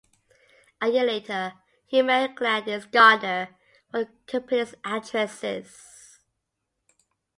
A year later, he married Gladys Gardner, one of the company's actresses.